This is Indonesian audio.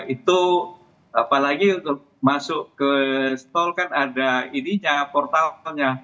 itu apalagi masuk ke stol kan ada ini nya portalnya